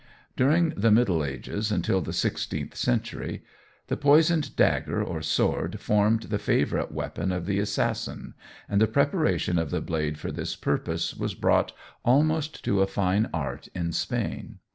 During the Middle Ages until the sixteenth century, the poisoned dagger or sword formed the favourite weapon of the assassin, and the preparation of the blade for this purpose was brought almost to a fine art in Spain.